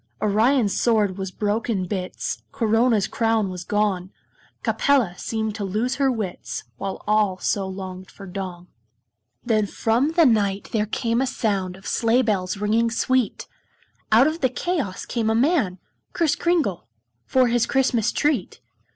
Orion's sword was broke in bits, Corona's crown was gone, Capella seemed to lose her wits, While all so longed for dawn. Then from the night there came a sound Of sleigh bells ringing sweet; Out of the chaos came a man Kris Kringle for his Christmas treat.